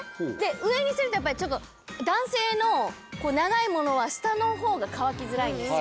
上にするとやっぱりちょっと男性の長いものは下の方が乾きづらいんですよ。